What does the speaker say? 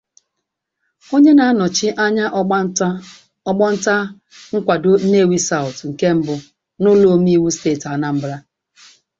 onye na-anọchi anya ọgbọ nta nkwàdo 'Nnewi South' nke mbụ n'ụlo omeiwu steeti Anambra